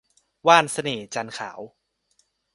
ว่านเสน่ห์จันทร์ขาว